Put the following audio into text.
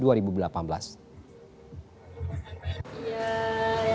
ya yang pasti senang ya mas ya